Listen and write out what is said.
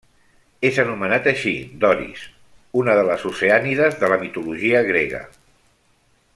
És anomenat així, Doris, una de les Oceànides de la mitologia grega.